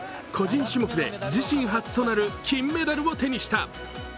個人種目で自身初となる金メダルを手にした。